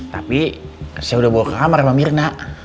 tapi saya udah bawa kamar sama mirna